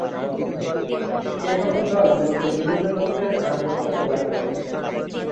এসকল দল মূলত বিভিন্ন গোত্রের আনুগত্য প্রকাশ করে।